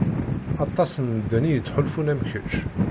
Aṭas n medden i yettḥulfun am kečč.